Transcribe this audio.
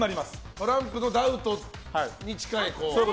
トランプのダウトに近い。